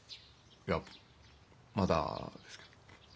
いやまだですけど。